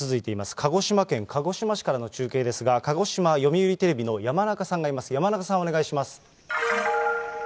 鹿児島県鹿児島市からの中継ですが、鹿児島読売テレビの山中さんがいます。